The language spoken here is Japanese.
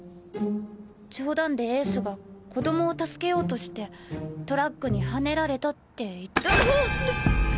冗談でエースが子供を助けようとしてトラックにはねられたって言ったう！